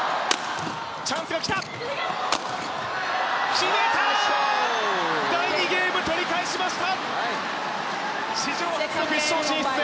決めた、第２ゲーム決めました。